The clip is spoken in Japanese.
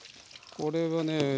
これはね